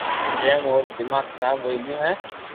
جو مون او رو دماغ خراب ھوئي گيو ھي